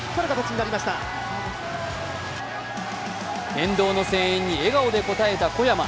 沿道の声援に笑顔で応えた小山。